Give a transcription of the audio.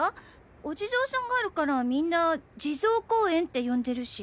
お地蔵さんがあるからみんな地蔵公園って呼んでるし。